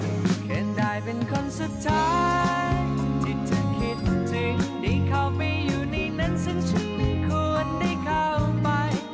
เห็นได้เป็นคนสุดท้ายถ้ามองเห็นได้อยู่ในสายตาที่ยืนยัน